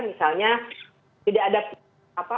misalnya tidak ada